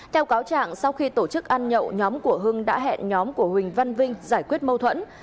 theo cáo trạng sau khi tổ chức ăn nhậu nhóm của hưng đã hẹn nhóm của huỳnh văn vinh giải quyết mâu thuẫn